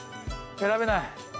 選べない。